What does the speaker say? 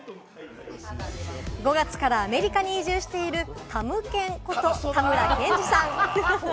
５月からアメリカに移住している、たむけんこと、たむらけんじさん。